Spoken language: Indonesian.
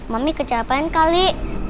mami kejar apaan kali